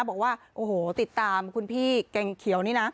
บอกว่าโอ้โหติดตามคุณพี่เก่งเขียวนี่นะ